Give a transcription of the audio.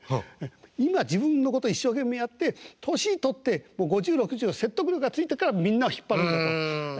今自分のこと一生懸命やって年取って５０６０説得力がついてからみんなを引っ張るんだ」と。